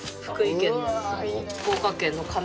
福井県の。